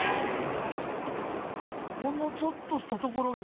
このちょっとしたところが。